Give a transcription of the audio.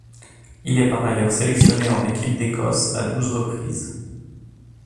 Il est par ailleurs sélectionné en équipe d'Écosse à douze reprises.